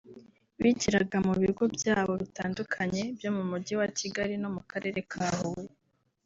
Bigiraga mu bigo byabo bitandukanye byo mu Mujyi wa Kigali no mu Karere ka Huye